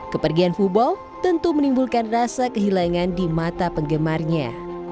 kepergian fuball tentu menimbulkan rasa kehilangan di mata penggemarnya